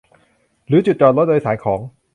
หรือจุดจอดรถโดยสารของ